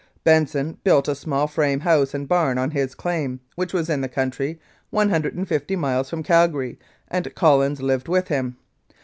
"Benson built a small frame house and barn on his claim, which was in the country, 150 miles from Cal gary, and Collins lived with him.